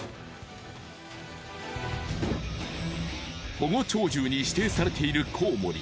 保護鳥獣に指定されているコウモリ。